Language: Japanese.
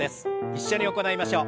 一緒に行いましょう。